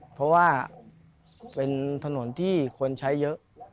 เพราะว่าเป็นถนนที่คนใช้เยอะ